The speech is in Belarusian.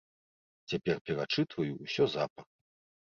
Цяпер перачытваю ўсё запар.